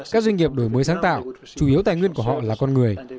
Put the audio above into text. các doanh nghiệp đổi mới sáng tạo chủ yếu tài nguyên của họ là con người